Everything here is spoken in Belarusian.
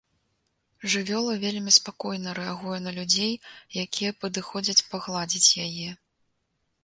Жывёла вельмі спакойна рэагуе на людзей, якія падыходзяць пагладзіць яе.